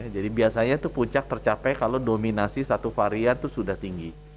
jadi biasanya itu puncak tercapai kalau dominasi satu varian itu sudah tinggi